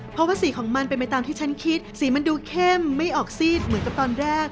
เพราะว่าสีของมันเป็นไปตามที่ฉันคิดสีมันดูเข้มไม่ออกซีดเหมือนกับตอนแรก